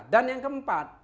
dan yang keempat